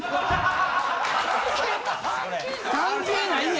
関係ない。